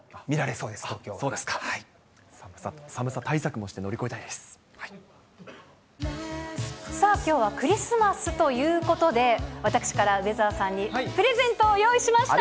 そうですか、寒さ対策もしてさあ、きょうはクリスマスということで、私から梅澤さんに、プレゼントを用意しました。